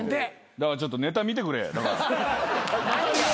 だからちょっとネタ見てくれ。